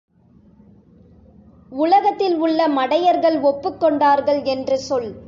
உலகத்தில் உள்ள மடையர்கள் ஒப்புக் கொண்டார்கள் என்று சொல்.